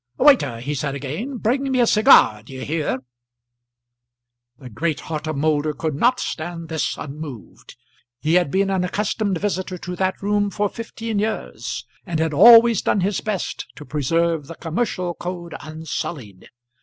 "Waiter," he said again, "bring me a cigar, d'ye hear?" The great heart of Moulder could not stand this unmoved. He had been an accustomed visitor to that room for fifteen years, and had always done his best to preserve the commercial code unsullied.